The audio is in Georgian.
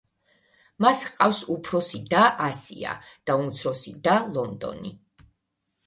მას ჰყავს უფროსი და ასია და უმცროსი და ლონდონი.